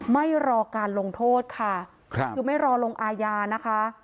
ไม่รอการลงโทษค่ะคือไม่รอลงอาญานะคะ